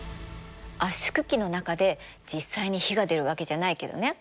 圧縮機の中で実際に火が出るわけじゃないけどね。